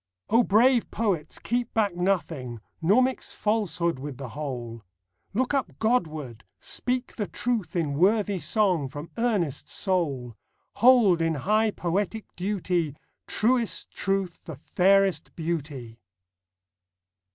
O brave poets, keep back nothing ; Nor mix falsehood with the whole ! Look up Godward! speak the truth in Worthy song from earnest soul ! Hold, in high poetic duty, Truest Truth the fairest Beauty!